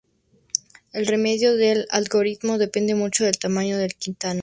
El rendimiento del algoritmo depende mucho del tamaño del Quantum.